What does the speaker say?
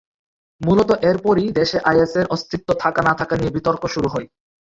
মূলত এরপরই দেশে আইএসের অস্তিত্ব থাকা না-থাকা নিয়ে বিতর্ক শুরু হয়।